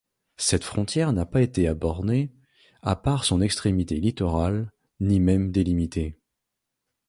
Cette frontière n'a pas été abornée, à part son extrémité littorale, ni même délimitée.